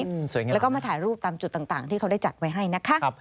สวยงามแล้วก็มาถ่ายรูปตามจุดต่างที่เขาได้จัดไว้ให้นะคะ